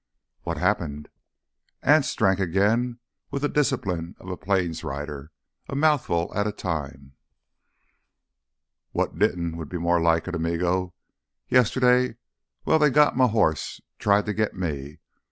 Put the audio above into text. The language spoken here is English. "What happened?" Anse drank again with the discipline of a plains rider, a mouthful at a time. "What didn't would be more like it, amigo. Yesterday, well, they got m' hoss—tried to git me.